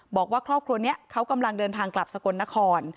บอกว่าครอบครัวนี้เขากำลังเดินทางกลับสกลนคร